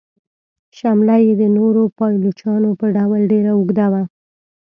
شمله یې د نورو پایلوچانو په ډول ډیره اوږده وه.